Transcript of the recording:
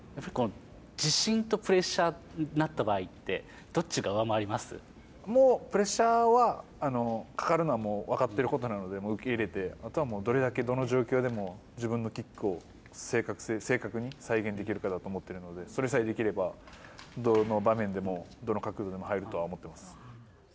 自信とプレッシャーになったもう、プレッシャーは、かかるのは分かってることなので、受け入れて、あとはもう、どれだけどの状況でも、自分のキックを正確性、正確に再現できるかだと思っているので、それさえできれば、どの場面でも、どの角度でも入るとは思っています。